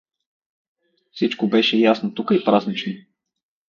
Всичко беше тука ясно и празнично.